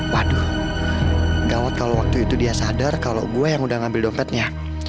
waduh gawat kalau waktu itu dia sadar kalau gue yang udah ngambil dompetnya